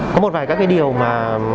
có một vài các cái điều mà